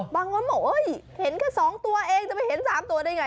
บางคนบอกเห็นแค่๒ตัวเองจะไปเห็น๓ตัวได้ไง